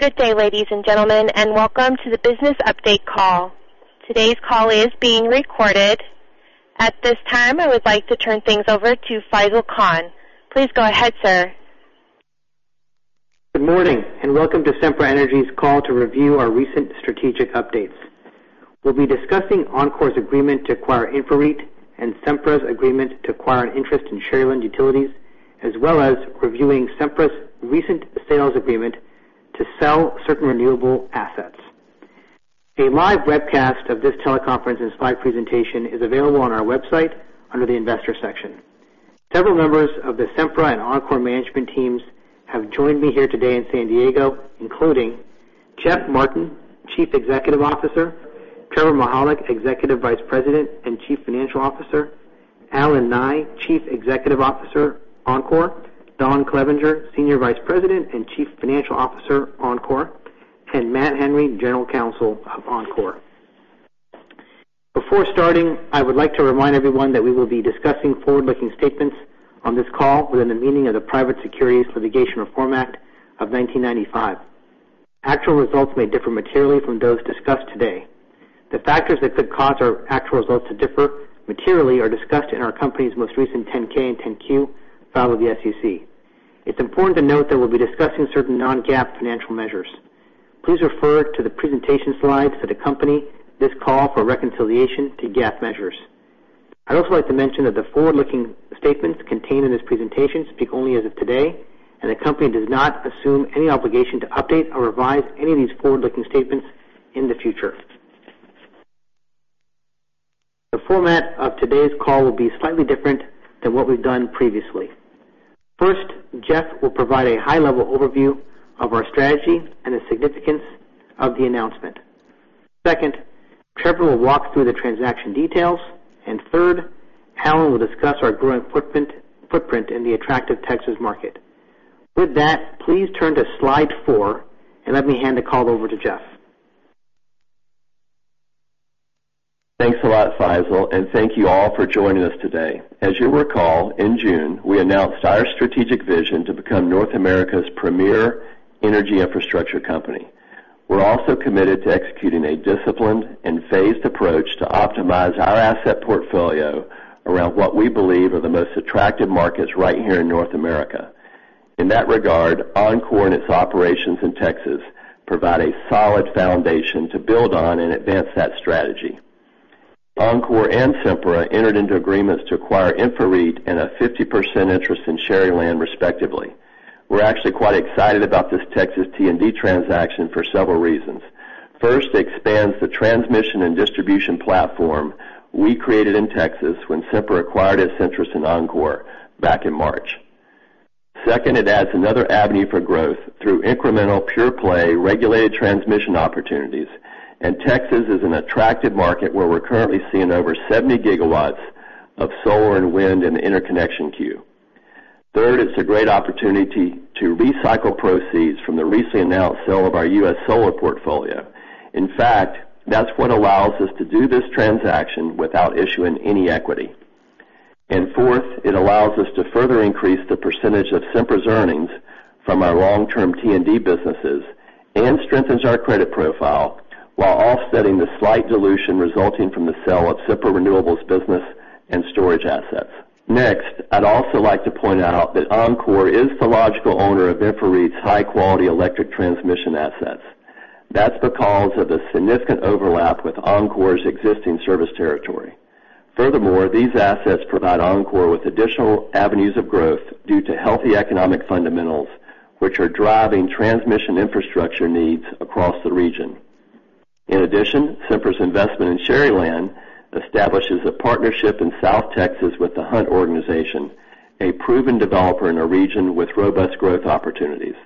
Good day, ladies and gentlemen, and welcome to the Business Update Call. Today's call is being recorded. At this time, I would like to turn things over to Faisel Khan. Please go ahead, sir. Good morning, and welcome to Sempra Energy's call to review our recent strategic updates. We'll be discussing Oncor's agreement to acquire InfraREIT and Sempra's agreement to acquire an interest in Sharyland Utilities, as well as reviewing Sempra's recent sales agreement to sell certain renewable assets. A live webcast of this teleconference and slide presentation is available on our website under the Investor section. Several members of the Sempra and Oncor management teams have joined me here today in San Diego, including Jeffrey Martin, Chief Executive Officer; Trevor Mihalik, Executive Vice President and Chief Financial Officer; Allen Nye, Chief Executive Officer, Oncor; Don Clevenger, Senior Vice President and Chief Financial Officer, Oncor; and Matt Henry, General Counsel of Oncor. Before starting, I would like to remind everyone that we will be discussing forward-looking statements on this call within the meaning of the Private Securities Litigation Reform Act of 1995. Actual results may differ materially from those discussed today. The factors that could cause our actual results to differ materially are discussed in our company's most recent 10-K and 10-Q filed with the SEC. It's important to note that we'll be discussing certain non-GAAP financial measures. Please refer to the presentation slides that accompany this call for reconciliation to GAAP measures. I'd also like to mention that the forward-looking statements contained in this presentation speak only as of today, and the company does not assume any obligation to update or revise any of these forward-looking statements in the future. The format of today's call will be slightly different than what we've done previously. First, Jeff will provide a high-level overview of our strategy and the significance of the announcement. Second, Trevor will walk through the transaction details. Third, Allen will discuss our growing footprint in the attractive Texas market. With that, please turn to slide four, and let me hand the call over to Jeff. Thanks a lot, Faisel, and thank you all for joining us today. As you'll recall, in June, we announced our strategic vision to become North America's premier energy infrastructure company. We're also committed to executing a disciplined and phased approach to optimize our asset portfolio around what we believe are the most attractive markets right here in North America. In that regard, Oncor and its operations in Texas provide a solid foundation to build on and advance that strategy. Oncor and Sempra entered into agreements to acquire InfraREIT and a 50% interest in Sharyland, respectively. We're actually quite excited about this Texas T&D transaction for several reasons. First, it expands the transmission and distribution platform we created in Texas when Sempra acquired its interest in Oncor back in March. Second, it adds another avenue for growth through incremental pure-play regulated transmission opportunities. Texas is an attractive market where we're currently seeing over 70 gigawatts of solar and wind in the interconnection queue. Third, it's a great opportunity to recycle proceeds from the recently announced sale of our U.S. solar portfolio. In fact, that's what allows us to do this transaction without issuing any equity. Fourth, it allows us to further increase the percentage of Sempra's earnings from our long-term T&D businesses and strengthens our credit profile while offsetting the slight dilution resulting from the sale of Sempra Renewables's business and storage assets. Next, I'd also like to point out that Oncor is the logical owner of InfraREIT's high-quality electric transmission assets. That's because of the significant overlap with Oncor's existing service territory. Furthermore, these assets provide Oncor with additional avenues of growth due to healthy economic fundamentals, which are driving transmission infrastructure needs across the region. In addition, Sempra's investment in Sharyland establishes a partnership in South Texas with the Hunt Organization, a proven developer in a region with robust growth opportunities.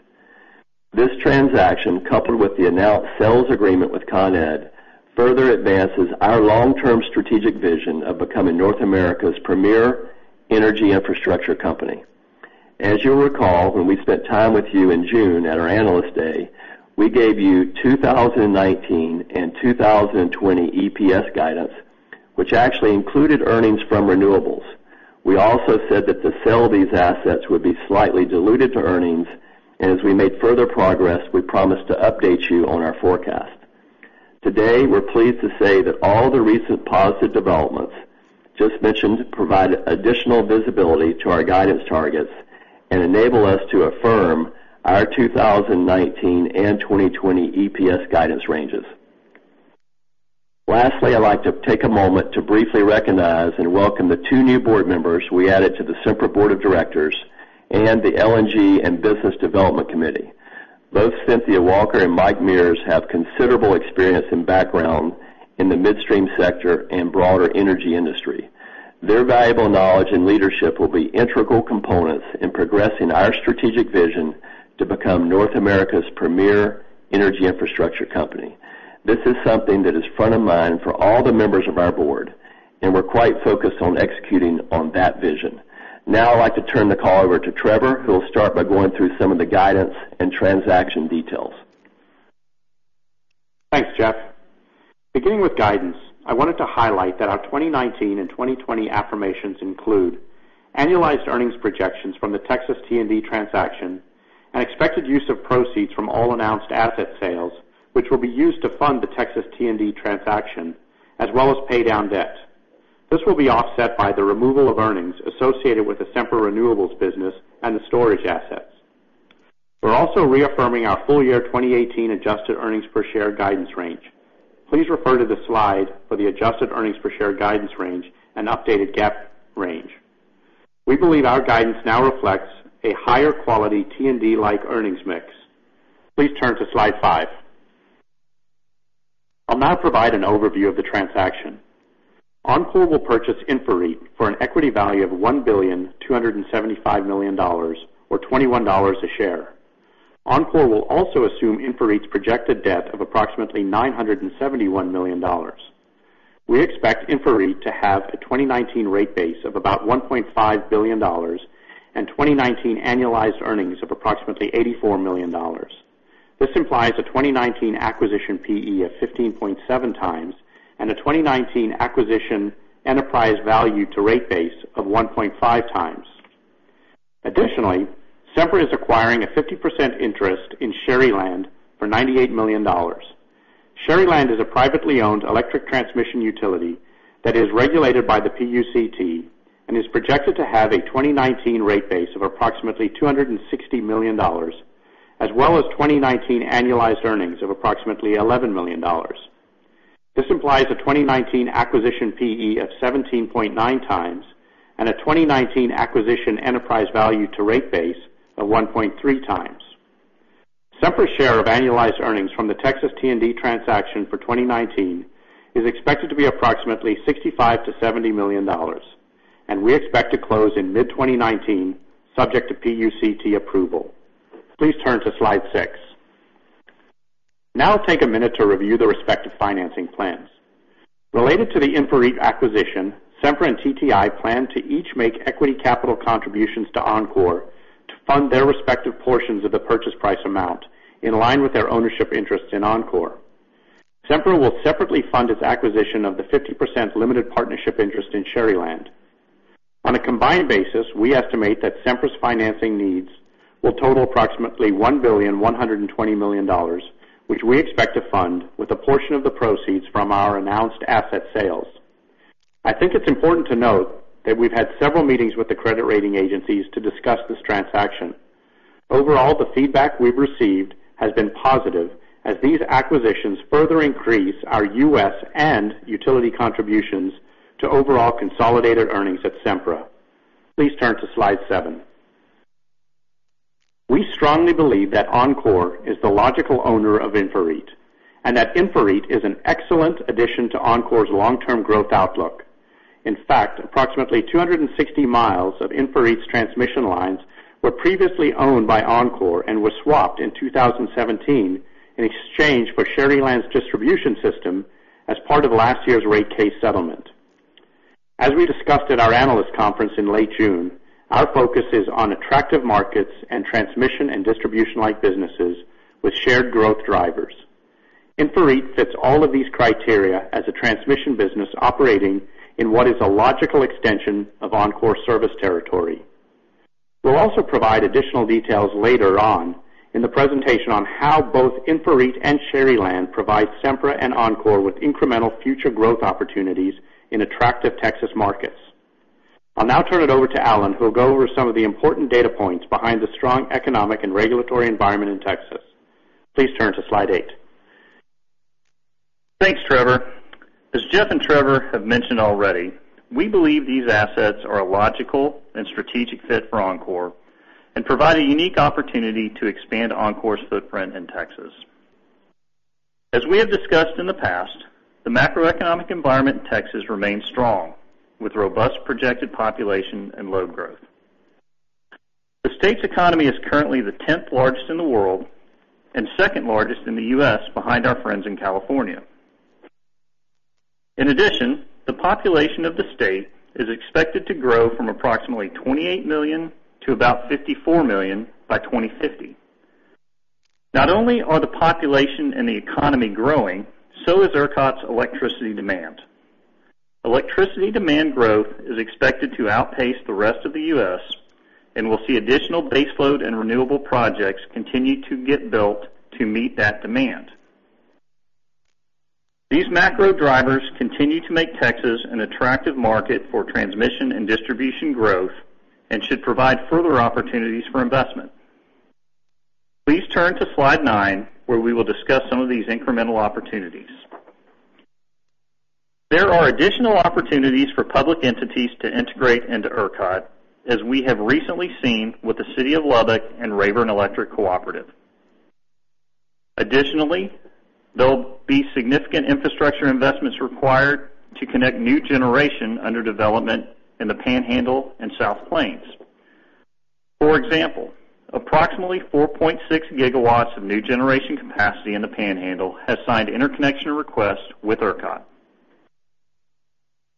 This transaction, coupled with the announced sales agreement with Consolidated Edison, further advances our long-term strategic vision of becoming North America's premier energy infrastructure company. As you'll recall, when we spent time with you in June at our Analyst Day, we gave you 2019 and 2020 EPS guidance, which actually included earnings from renewables. We also said that the sale of these assets would be slightly dilutive to earnings, and as we made further progress, we promised to update you on our forecast. Today, we're pleased to say that all the recent positive developments just mentioned provide additional visibility to our guidance targets and enable us to affirm our 2019 and 2020 EPS guidance ranges. Lastly, I'd like to take a moment to briefly recognize and welcome the two new board members we added to the Sempra Board of Directors and the LNG and Business Development Committee. Both Cynthia Walker and Mike Mears have considerable experience and background in the midstream sector and broader energy industry. Their valuable knowledge and leadership will be integral components in progressing our strategic vision to become North America's premier energy infrastructure company. This is something that is front of mind for all the members of our board, and we're quite focused on executing on that vision. Now I'd like to turn the call over to Trevor, who will start by going through some of the guidance and transaction details. Thanks, Jeff. Beginning with guidance, I wanted to highlight that our 2019 and 2020 affirmations include annualized earnings projections from the Texas T&D transaction and expected use of proceeds from all announced asset sales, which will be used to fund the Texas T&D transaction, as well as pay down debt. This will be offset by the removal of earnings associated with the Sempra Renewables business and the storage assets. We're also reaffirming our full-year 2018 adjusted earnings per share guidance range. Please refer to the slide for the adjusted earnings per share guidance range and updated GAAP range. We believe our guidance now reflects a higher-quality T&D-like earnings mix. Please turn to slide five. I'll now provide an overview of the transaction. Oncor will purchase InfraREIT for an equity value of $1,275,000,000 or $21 a share. Oncor will also assume InfraREIT's projected debt of approximately $971 million. We expect InfraREIT to have a 2019 rate base of about $1.5 billion and 2019 annualized earnings of approximately $84 million. This implies a 2019 acquisition PE of 15.7x and a 2019 acquisition enterprise value to rate base of 1.5x. Additionally, Sempra is acquiring a 50% interest in Sharyland for $98 million. Sharyland is a privately-owned electric transmission utility that is regulated by the PUCT and is projected to have a 2019 rate base of approximately $260 million, as well as 2019 annualized earnings of approximately $11 million. This implies a 2019 acquisition PE of 17.9x and a 2019 acquisition enterprise value to rate base of 1.3x. Sempra's share of annualized earnings from the Texas T&D transaction for 2019 is expected to be approximately $65 million-$70 million, and we expect to close in mid-2019, subject to PUCT approval. Please turn to slide six. Now I'll take a minute to review the respective financing plans. Related to the InfraREIT acquisition, Sempra and TTI plan to each make equity capital contributions to Oncor to fund their respective portions of the purchase price amount in line with their ownership interest in Oncor. Sempra will separately fund its acquisition of the 50% limited partnership interest in Sharyland. On a combined basis, we estimate that Sempra's financing needs will total approximately $1,120,000,000, which we expect to fund with a portion of the proceeds from our announced asset sales. I think it's important to note that we've had several meetings with the credit rating agencies to discuss this transaction. Overall, the feedback we've received has been positive as these acquisitions further increase our U.S. and utility contributions to overall consolidated earnings at Sempra. Please turn to slide seven. We strongly believe that Oncor is the logical owner of InfraREIT, and that InfraREIT is an excellent addition to Oncor's long-term growth outlook. In fact, approximately 260 miles of InfraREIT's transmission lines were previously owned by Oncor and were swapped in 2017 in exchange for Sharyland's distribution system as part of last year's rate case settlement. As we discussed at our analyst conference in late June, our focus is on attractive markets and transmission and distribution-like businesses with shared growth drivers. InfraREIT fits all of these criteria as a transmission business operating in what is a logical extension of Oncor's service territory. We'll also provide additional details later on in the presentation on how both InfraREIT and Sharyland provide Sempra and Oncor with incremental future growth opportunities in attractive Texas markets. I'll now turn it over to Allen, who will go over some of the important data points behind the strong economic and regulatory environment in Texas. Please turn to slide eight. Thanks, Trevor. As Jeff and Trevor have mentioned already, we believe these assets are a logical and strategic fit for Oncor and provide a unique opportunity to expand Oncor's footprint in Texas. As we have discussed in the past, the macroeconomic environment in Texas remains strong, with robust projected population and load growth. The state's economy is currently the tenth largest in the world and second largest in the U.S. behind our friends in California. In addition, the population of the state is expected to grow from approximately 28 million to about 54 million by 2050. Not only are the population and the economy growing, so is ERCOT's electricity demand. Electricity demand growth is expected to outpace the rest of the U.S. and will see additional baseload and renewable projects continue to get built to meet that demand. These macro drivers continue to make Texas an attractive market for transmission and distribution growth and should provide further opportunities for investment. Please turn to slide nine, where we will discuss some of these incremental opportunities. There are additional opportunities for public entities to integrate into ERCOT, as we have recently seen with the City of Lubbock and Rayburn Electric Cooperative. Additionally, there'll be significant infrastructure investments required to connect new generation under development in the Panhandle and South Plains. For example, approximately 4.6 gigawatts of new generation capacity in the Panhandle has signed interconnection requests with ERCOT.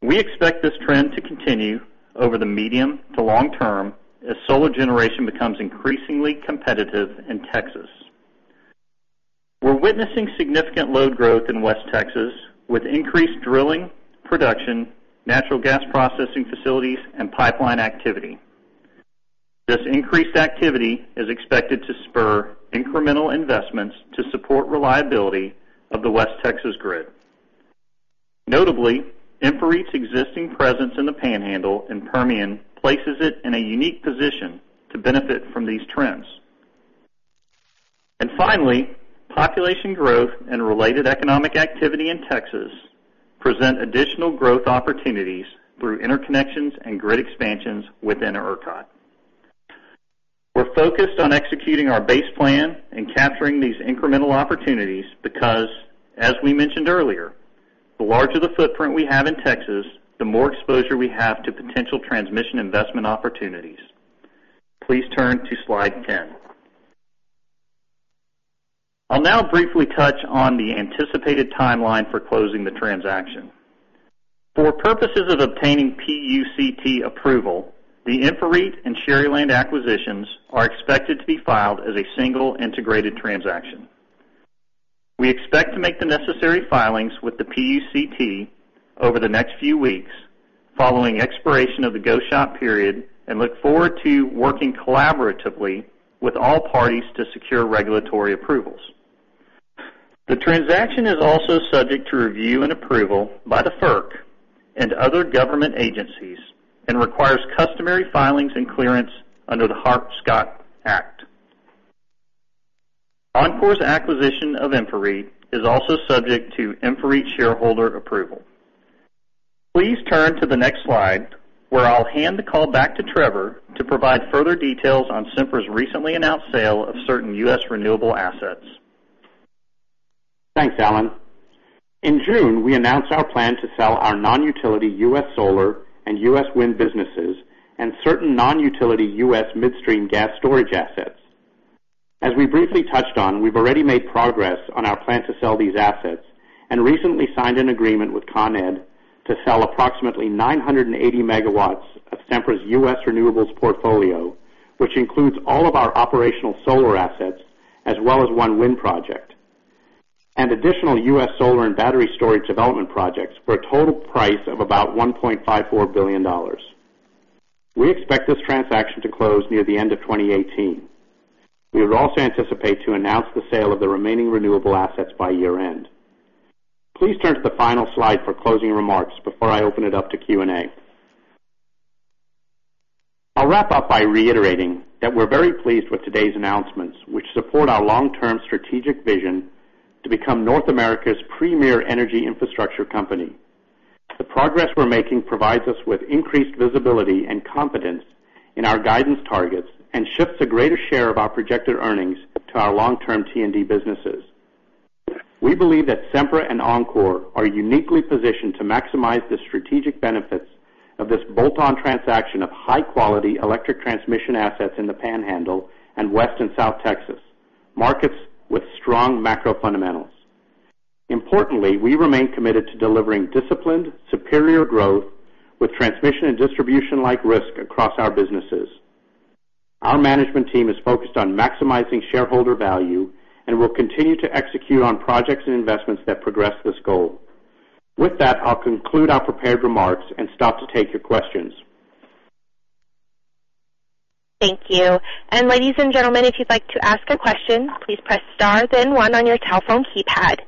We expect this trend to continue over the medium to long term as solar generation becomes increasingly competitive in Texas. We're witnessing significant load growth in West Texas with increased drilling, production, natural gas processing facilities, and pipeline activity. This increased activity is expected to spur incremental investments to support reliability of the West Texas grid. Notably, InfraREIT's existing presence in the Panhandle and Permian places it in a unique position to benefit from these trends. Finally, population growth and related economic activity in Texas present additional growth opportunities through interconnections and grid expansions within ERCOT. We're focused on executing our base plan and capturing these incremental opportunities because, as we mentioned earlier, the larger the footprint we have in Texas, the more exposure we have to potential transmission investment opportunities. Please turn to slide 10. I'll now briefly touch on the anticipated timeline for closing the transaction. For purposes of obtaining PUCT approval, the InfraREIT and Sharyland acquisitions are expected to be filed as a single integrated transaction. We expect to make the necessary filings with the PUCT over the next few weeks following expiration of the go-shop period and look forward to working collaboratively with all parties to secure regulatory approvals. The transaction is also subject to review and approval by the FERC and other government agencies and requires customary filings and clearance under the Hart-Scott Act. Oncor's acquisition of InfraREIT is also subject to InfraREIT shareholder approval. Please turn to the next slide, where I'll hand the call back to Trevor to provide further details on Sempra's recently announced sale of certain U.S. renewable assets. Thanks, Allen. In June, we announced our plan to sell our non-utility U.S. solar and U.S. wind businesses and certain non-utility U.S. midstream gas storage assets. As we briefly touched on, we've already made progress on our plan to sell these assets and recently signed an agreement with Consolidated Edison to sell approximately 980 megawatts of Sempra's U.S. renewables portfolio, which includes all of our operational solar assets, as well as one wind project, and additional U.S. solar and battery storage development projects for a total price of about $1.54 billion. We expect this transaction to close near the end of 2018. We would also anticipate to announce the sale of the remaining renewable assets by year-end. Please turn to the final slide for closing remarks before I open it up to Q&A. I'll wrap up by reiterating that we're very pleased with today's announcements, which support our long-term strategic vision to become North America's premier energy infrastructure company. The progress we're making provides us with increased visibility and confidence in our guidance targets and shifts a greater share of our projected earnings to our long-term T&D businesses. We believe that Sempra and Oncor are uniquely positioned to maximize the strategic benefits of this bolt-on transaction of high-quality electric transmission assets in the Panhandle and West and South Texas, markets with strong macro fundamentals. Importantly, we remain committed to delivering disciplined, superior growth with transmission and distribution-like risk across our businesses. Our management team is focused on maximizing shareholder value and will continue to execute on projects and investments that progress this goal. With that, I'll conclude our prepared remarks and stop to take your questions. Thank you. Ladies and gentlemen, if you'd like to ask a question, please press star then one on your telephone keypad.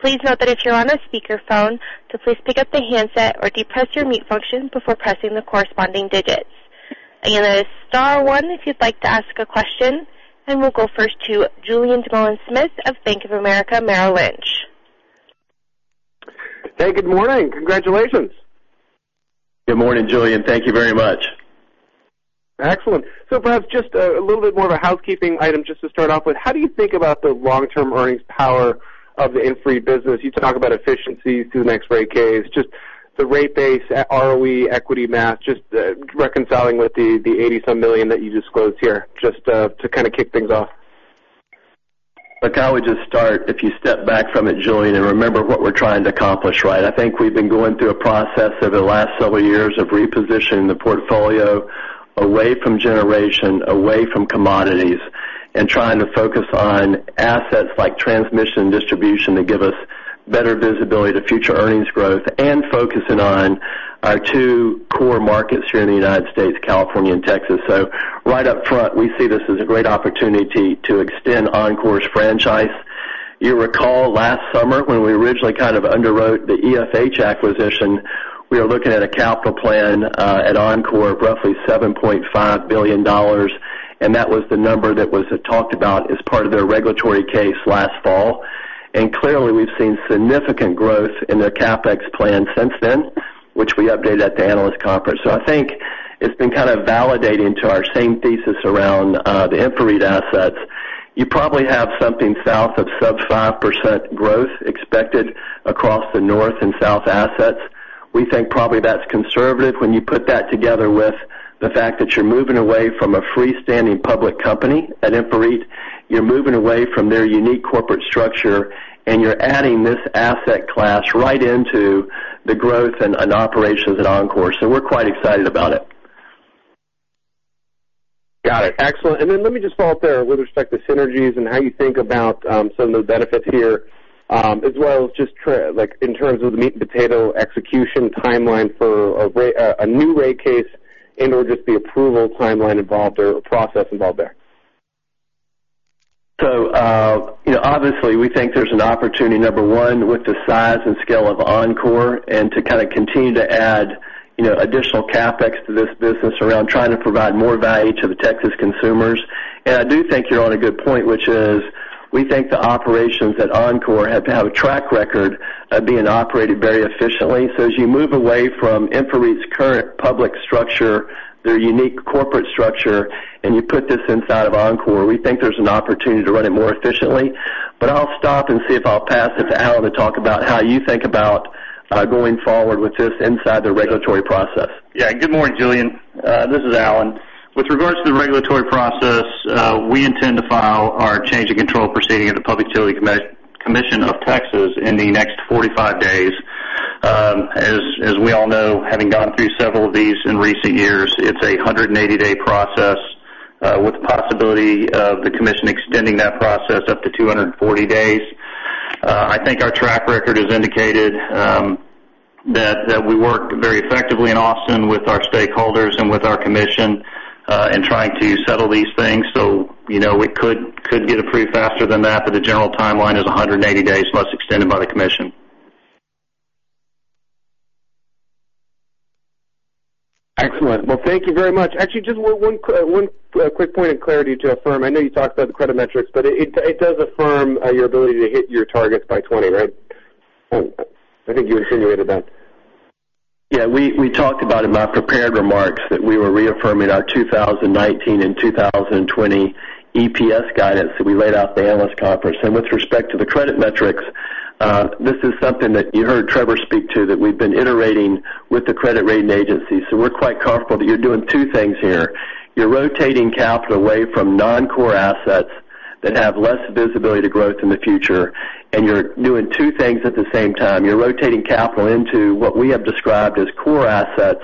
Please note that if you're on a speakerphone, to please pick up the handset or depress your mute function before pressing the corresponding digits. Again, that is star one if you'd like to ask a question, and we'll go first to Julien Dumoulin-Smith of Bank of America Merrill Lynch. Hey, good morning. Congratulations. Good morning, Julien. Thank you very much. Excellent. Perhaps just a little bit more of a housekeeping item just to start off with. How do you think about the long-term earnings power of the InfraREIT business? You talk about efficiencies through the next rate case, just the rate base, ROE, equity math, just reconciling with the $80 million that you disclosed here, just to kind of kick things off. Look, I would just start, if you step back from it, Julien, and remember what we're trying to accomplish, right? I think we've been going through a process over the last several years of repositioning the portfolio away from generation, away from commodities, and trying to focus on assets like transmission and distribution to give us better visibility to future earnings growth and focusing on our two core markets here in the U.S., California and Texas. Right up front, we see this as a great opportunity to extend Oncor's franchise. You recall last summer when we originally kind of underwrote the EFH acquisition, we were looking at a capital plan at Oncor of roughly $7.5 billion, and that was the number that was talked about as part of their regulatory case last fall. Clearly, we've seen significant growth in their CapEx plan since then, which we updated at the analyst conference. I think it's been kind of validating to our same thesis around the InfraREIT assets. You probably have something south of sub 5% growth expected across the north and south assets. We think probably that's conservative when you put that together with the fact that you're moving away from a freestanding public company at InfraREIT, you're moving away from their unique corporate structure, and you're adding this asset class right into the growth and operations at Oncor. We're quite excited about it. Got it. Excellent. Then let me just follow up there with respect to synergies and how you think about some of those benefits here, as well as just in terms of the meat and potato execution timeline for a new rate case and/or just the approval timeline involved or process involved there. Obviously we think there's an opportunity, number 1, with the size and scale of Oncor and to kind of continue to add additional CapEx to this business around trying to provide more value to the Texas consumers. I do think you're on a good point, which is we think the operations at Oncor have had a track record of being operated very efficiently. As you move away from InfraREIT's current public structure, their unique corporate structure, and you put this inside of Oncor, we think there's an opportunity to run it more efficiently. I'll stop and see if I'll pass it to Allen to talk about how you think about going forward with this inside the regulatory process. Yeah. Good morning, Julien. This is Allen. With regards to the regulatory process, we intend to file our change in control proceeding at the Public Utility Commission of Texas in the next 45 days. As we all know, having gone through several of these in recent years, it's a 180-day process with the possibility of the commission extending that process up to 240 days. I think our track record has indicated that we work very effectively in Austin with our stakeholders and with our commission in trying to settle these things. We could get approved faster than that. The general timeline is 180 days, unless extended by the commission. Excellent. Well, thank you very much. Actually, just one quick point of clarity to affirm. I know you talked about the credit metrics, it does affirm your ability to hit your targets by 2020, right? I think you insinuated that. Yeah, we talked about in my prepared remarks that we were reaffirming our 2019 and 2020 EPS guidance that we laid out at the analyst conference. With respect to the credit metrics, this is something that you heard Trevor speak to, that we've been iterating with the credit rating agency. We're quite comfortable that you're doing two things here. You're rotating capital away from non-core assets that have less visibility to growth in the future, and you're doing two things at the same time. You're rotating capital into what we have described as core assets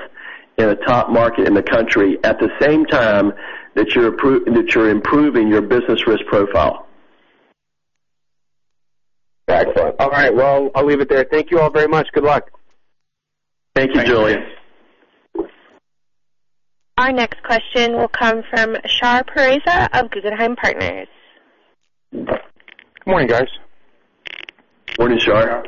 in a top market in the country, at the same time that you're improving your business risk profile. Excellent. All right, well, I'll leave it there. Thank you all very much. Good luck. Thank you, Julien. Thanks. Our next question will come from Shar Pourreza of Guggenheim Partners. Good morning, guys. Morning, Shar.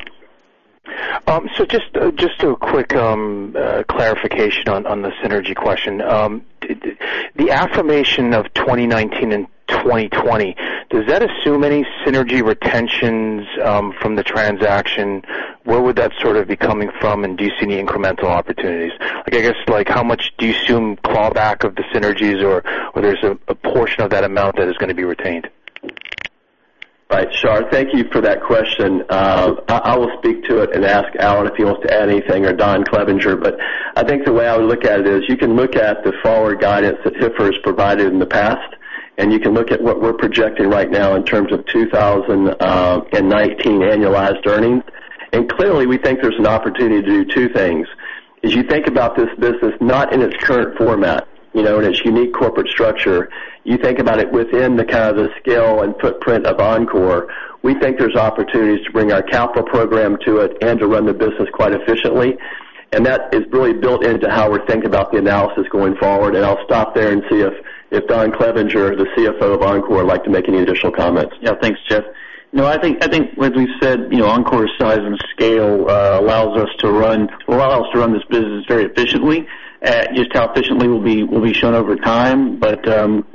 Just a quick clarification on the synergy question. The affirmation of 2019 and 2020, does that assume any synergy retentions from the transaction? Where would that sort of be coming from, and do you see any incremental opportunities? I guess, how much do you assume clawback of the synergies or whether there's a portion of that amount that is going to be retained? Right. Shar, thank you for that question. I will speak to it and ask Allen if he wants to add anything, or Don Clevenger. I think the way I would look at it is you can look at the forward guidance that HIPAA has provided in the past, and you can look at what we're projecting right now in terms of 2019 annualized earnings. Clearly, we think there's an opportunity to do two things. As you think about this business, not in its current format, in its unique corporate structure, you think about it within the kind of the scale and footprint of Oncor. We think there's opportunities to bring our capital program to it and to run the business quite efficiently. That is really built into how we think about the analysis going forward. I'll stop there and see if Don Clevenger, the CFO of Oncor, would like to make any additional comments. Yeah. Thanks, Jeff. I think as we said, Oncor's size and scale allows us to run this business very efficiently. Just how efficiently will be shown over time.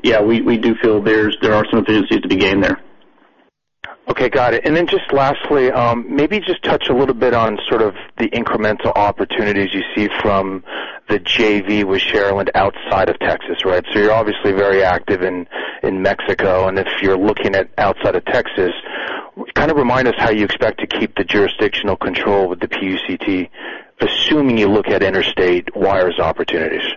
Yeah, we do feel there are some efficiencies to be gained there. Okay. Got it. Then just lastly, maybe just touch a little bit on sort of the incremental opportunities you see from the JV with Sharyland outside of Texas. You're obviously very active in Mexico, and if you're looking at outside of Texas, kind of remind us how you expect to keep the jurisdictional control with the PUCT, assuming you look at interstate wires opportunities.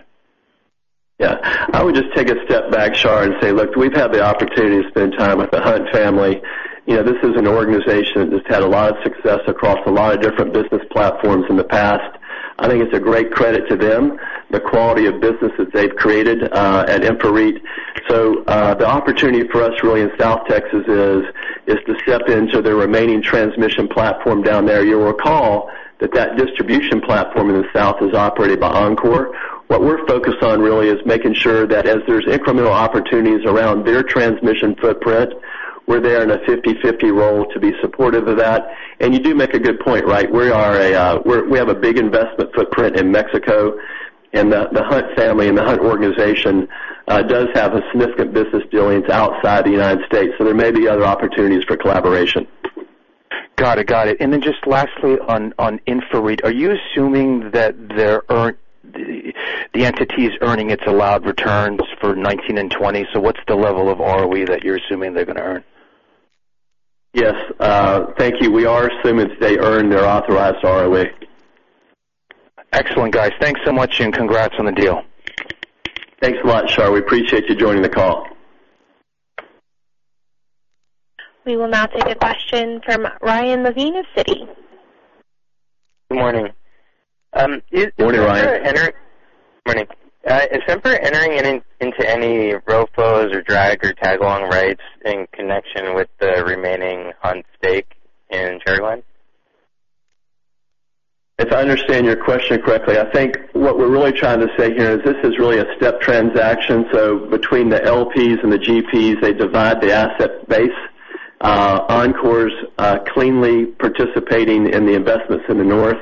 I would just take a step back, Shar, and say, look, we've had the opportunity to spend time with the Hunt family. This is an organization that's had a lot of success across a lot of different business platforms in the past. I think it's a great credit to them, the quality of business that they've created at InfraREIT. The opportunity for us really in South Texas is to step into their remaining transmission platform down there. You'll recall that that distribution platform in the south is operated by Oncor. What we're focused on really is making sure that as there's incremental opportunities around their transmission footprint, we're there in a 50/50 role to be supportive of that. You do make a good point. We have a big investment footprint in Mexico, and the Hunt family and the Hunt Organization does have significant business dealings outside the U.S. There may be other opportunities for collaboration. Got it. Just lastly on InfraREIT, are you assuming that the entity is earning its allowed returns for 2019 and 2020? What's the level of ROE that you're assuming they're going to earn? Yes. Thank you. We are assuming they earn their authorized ROE. Excellent, guys. Thanks so much. Congrats on the deal. Thanks a lot, Shar. We appreciate you joining the call. We will now take a question from Ryan Levine of Citi. Good morning. Good morning, Ryan. Good morning. Is Sempra entering into any ROFOs or drag or tag-along rights in connection with the remaining Oncor stake in Sharyland? If I understand your question correctly, I think what we're really trying to say here is this is really a step transaction. Between the LPs and the GPs, they divide the asset base. Oncor's cleanly participating in the investments in the north,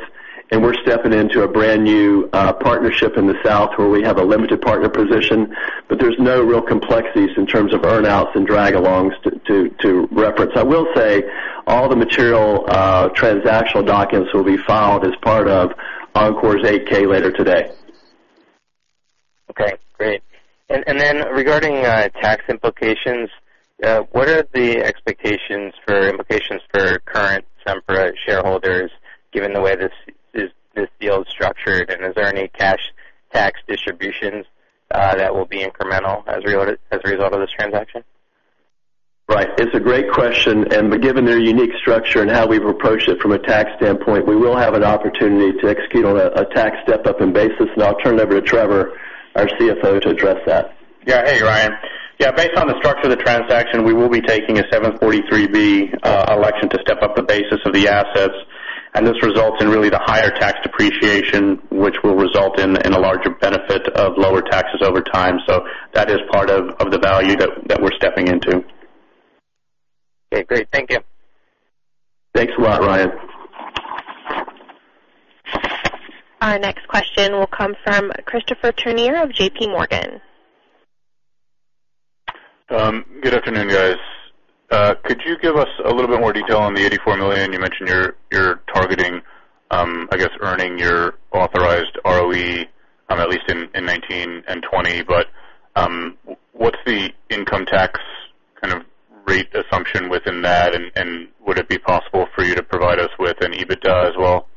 and we're stepping into a brand-new partnership in the south, where we have a limited partner position, but there's no real complexities in terms of earn-outs and drag-alongs to reference. I will say all the material transactional documents will be filed as part of Oncor's 8-K later today. Okay, great. Then regarding tax implications, what are the expectations for implications for current Sempra shareholders, given the way this deal is structured? Are there any cash tax distributions that will be incremental as a result of this transaction? Right. It's a great question, given their unique structure and how we've approached it from a tax standpoint, we will have an opportunity to execute on a tax step-up in basis. I'll turn it over to Trevor, our CFO, to address that. Hey, Ryan. Based on the structure of the transaction, we will be taking a 743b election to step up the basis of the assets, and this results in really the higher tax depreciation, which will result in a larger benefit of lower taxes over time. That is part of the value that we're stepping into. Okay, great. Thank you. Thanks a lot, Ryan. Our next question will come from Christopher Turnure of JPMorgan. Good afternoon, guys. Could you give us a little bit more detail on the $84 million? You mentioned you're targeting, I guess, earning your authorized ROE at least in 2019 and 2020. What's the income tax kind of rate assumption within that? Would it be possible for you to provide us with an EBITDA as well?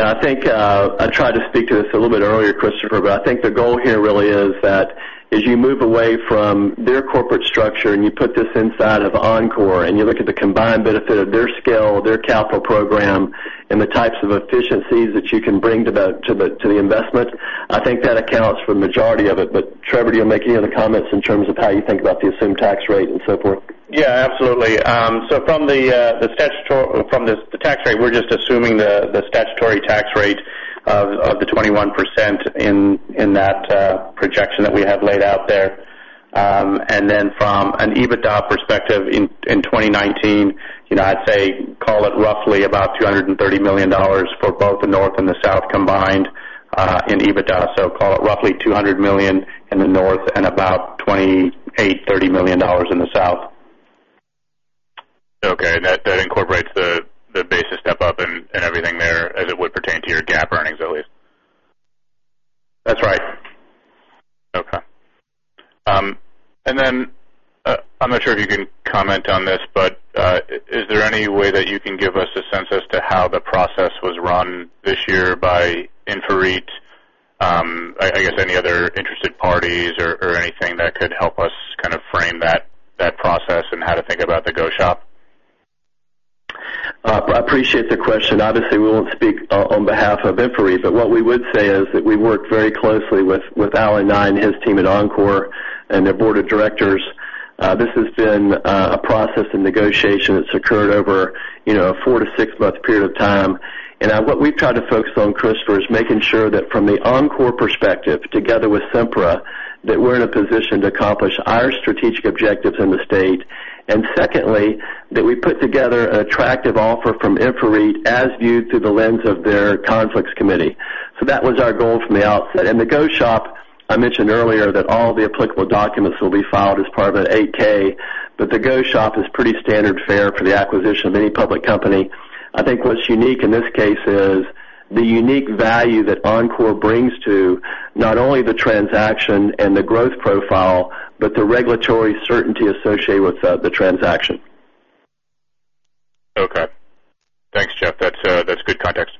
I think I tried to speak to this a little bit earlier, Christopher, but I think the goal here really is that as you move away from their corporate structure, and you put this inside of Oncor, and you look at the combined benefit of their scale, their capital program, and the types of efficiencies that you can bring to the investment, I think that accounts for majority of it. Trevor, do you have any other comments in terms of how you think about the assumed tax rate and so forth? Absolutely. From the tax rate, we're just assuming the statutory tax rate of the 21% in that projection that we have laid out there. From an EBITDA perspective, in 2019, I'd say, call it roughly about $230 million for both the north and the south combined in EBITDA. Call it roughly $200 million in the north and about $28 million-$30 million in the south. Okay. That incorporates the basis step-up and everything there as it would pertain to your GAAP earnings, at least. That's right. Okay. I'm not sure if you can comment on this, but is there any way that you can give us a sense as to how the process was run this year by InfraREIT, I guess any other interested parties or anything that could help us kind of frame that process and how to think about the go-shop? I appreciate the question. Obviously, we won't speak on behalf of InfraREIT, but what we would say is that we work very closely with Allen Nye and his team at Oncor and their board of directors. This has been a process in negotiation that's occurred over a 4 to 6-month period of time. What we've tried to focus on, Christopher, is making sure that from the Oncor perspective, together with Sempra, that we're in a position to accomplish our strategic objectives in the state. Secondly, that we put together an attractive offer from InfraREIT as viewed through the lens of their conflicts committee. That was our goal from the outset. The go-shop, I mentioned earlier that all the applicable documents will be filed as part of an 8-K, but the go-shop is pretty standard fare for the acquisition of any public company. I think what's unique in this case is the unique value that Oncor brings to not only the transaction and the growth profile, but the regulatory certainty associated with the transaction. Okay. Thanks, Jeff. That's good context.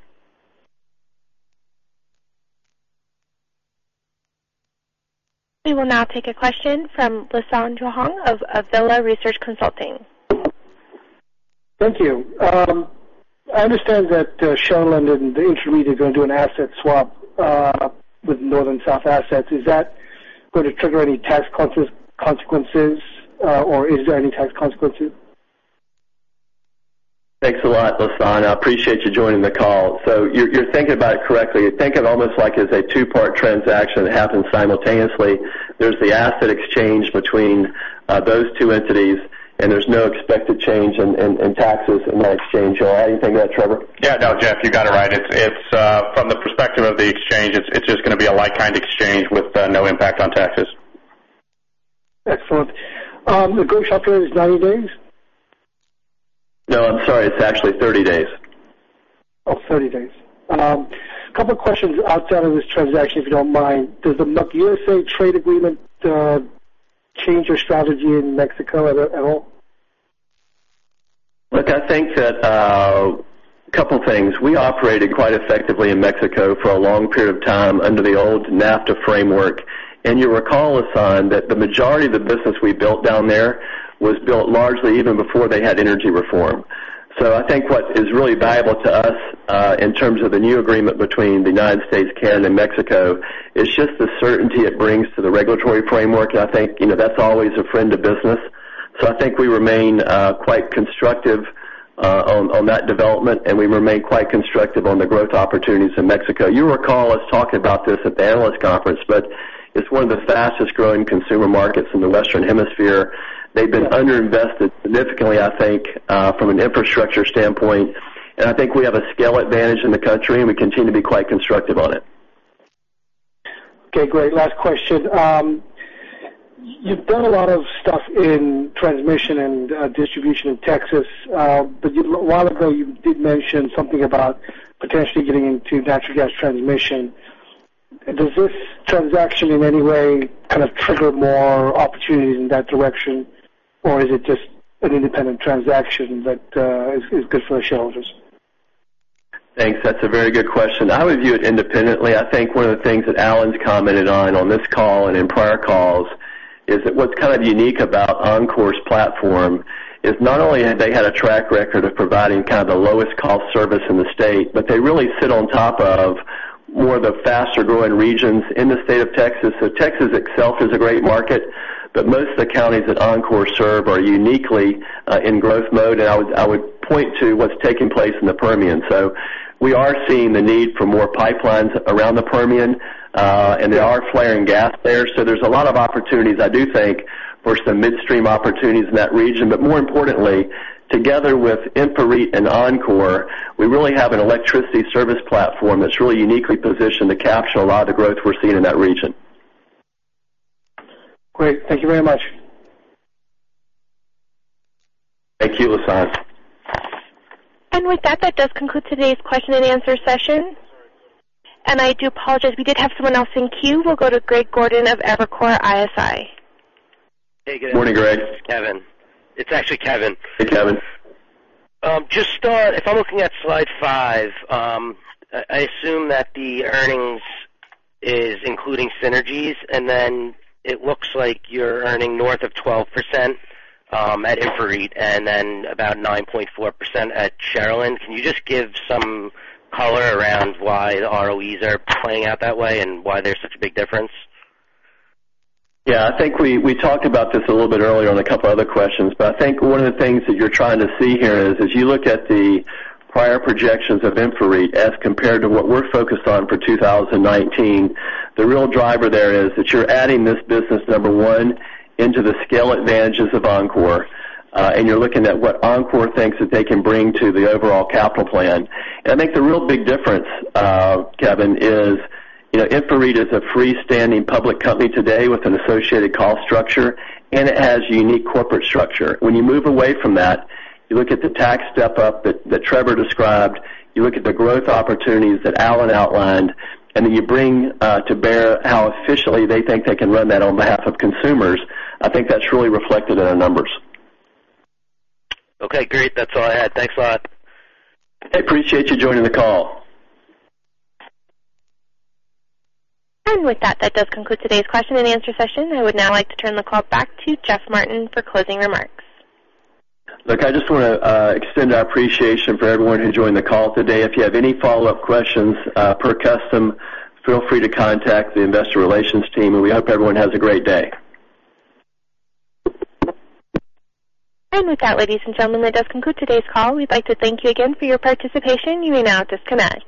We will now take a question from Lasan Johong of Avilá Research Consulting. Thank you. I understand that Sharyland, the intermediate, are going to do an asset swap with Northern South assets. Is that going to trigger any tax consequences, or is there any tax consequences? Thanks a lot, Lasan. I appreciate you joining the call. You're thinking about it correctly. You're thinking almost like it's a two-part transaction that happens simultaneously. There's the asset exchange between those two entities, and there's no expected change in taxes in that exchange. Do you want to add anything to that, Trevor? Yeah. No, Jeff, you got it right. From the perspective of the exchange, it's just going to be a like-kind exchange with no impact on taxes. Excellent. The go-shop period is 90 days? No, I'm sorry. It's actually 30 days. Oh, 30 days. A couple questions outside of this transaction, if you don't mind. Does the U.S. trade agreement change your strategy in Mexico at all? Look, I think that a couple of things. We operated quite effectively in Mexico for a long period of time under the old NAFTA framework. You'll recall, Lasan, that the majority of the business we built down there was built largely even before they had energy reform. I think what is really valuable to us, in terms of the new agreement between the U.S., Canada, and Mexico, is just the certainty it brings to the regulatory framework. I think that's always a friend of business. I think we remain quite constructive on that development, and we remain quite constructive on the growth opportunities in Mexico. You recall us talking about this at the analyst conference, it's one of the fastest-growing consumer markets in the Western Hemisphere. They've been under-invested significantly, I think, from an infrastructure standpoint. I think we have a scale advantage in the country, and we continue to be quite constructive on it. Okay, great. Last question. You've done a lot of stuff in transmission and distribution in Texas. A while ago, you did mention something about potentially getting into natural gas transmission. Does this transaction in any way kind of trigger more opportunities in that direction? Is it just an independent transaction that is good for the shareholders? Thanks. That's a very good question. I would view it independently. I think one of the things that Allen's commented on this call and in prior calls, is that what's kind of unique about Oncor's platform is not only had they had a track record of providing kind of the lowest cost service in the state, but they really sit on top of more of the faster-growing regions in the state of Texas. Texas itself is a great market, but most of the counties that Oncor serve are uniquely in growth mode. I would point to what's taking place in the Permian. We are seeing the need for more pipelines around the Permian, and they are flaring gas there. There's a lot of opportunities, I do think, for some midstream opportunities in that region. More importantly, together with InfraREIT and Oncor, we really have an electricity service platform that's really uniquely positioned to capture a lot of the growth we're seeing in that region. Great. Thank you very much. Thank you, Lasan. With that does conclude today's question and answer session. I do apologize, we did have someone else in queue. We'll go to Greg Gordon of Evercore ISI. Hey, good- Morning, Greg. Kevin. It's actually Kevin. Hey, Kevin. Just to start, if I'm looking at slide five, I assume that the earnings is including synergies, and then it looks like you're earning north of 12% at InfraREIT and then about 9.4% at Sharyland. Can you just give some color around why the ROEs are playing out that way and why there's such a big difference? Yeah, I think we talked about this a little bit earlier on a couple other questions, but I think one of the things that you're trying to see here is, as you look at the prior projections of InfraREIT as compared to what we're focused on for 2019, the real driver there is that you're adding this business, number one, into the scale advantages of Oncor, and you're looking at what Oncor thinks that they can bring to the overall capital plan. I think the real big difference, Kevin, is InfraREIT is a freestanding public company today with an associated cost structure, and it has unique corporate structure. When you move away from that, you look at the tax step up that Trevor described, you look at the growth opportunities that Allen outlined, and then you bring to bear how efficiently they think they can run that on behalf of consumers. I think that's really reflected in our numbers. Okay, great. That's all I had. Thanks a lot. I appreciate you joining the call. With that does conclude today's question and answer session. I would now like to turn the call back to Jeffrey Martin for closing remarks. Look, I just want to extend our appreciation for everyone who joined the call today. If you have any follow-up questions, per custom, feel free to contact the investor relations team, we hope everyone has a great day. With that, ladies and gentlemen, that does conclude today's call. We'd like to thank you again for your participation. You may now disconnect.